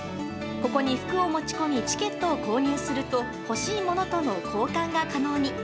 ここに服を持ち込みチケットを購入すると欲しいものとの交換が可能に。